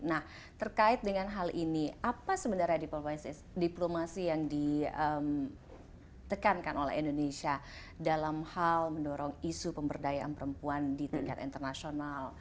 nah terkait dengan hal ini apa sebenarnya diplomasi yang ditekankan oleh indonesia dalam hal mendorong isu pemberdayaan perempuan di tingkat internasional